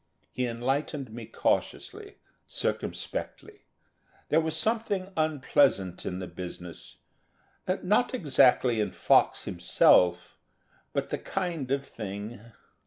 He enlightened me cautiously, circumspectly. There was something unpleasant in the business not exactly in Fox himself, but the kind of thing.